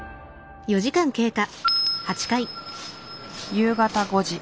夕方５時。